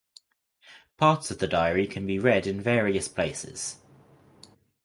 Parts of the diary can be read in various places.